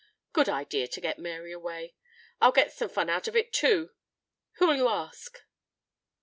Good idea to get Mary away. I'll get some fun out of it, too. Who'll you ask?"